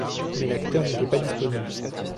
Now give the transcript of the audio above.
Mais l'acteur n'était pas disponible.